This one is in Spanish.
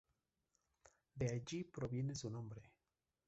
De allí proviene su nombre.